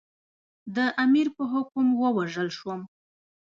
د امیر په حکم ووژل شوم.